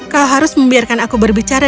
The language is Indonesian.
kau harus membiarkan aku berbicara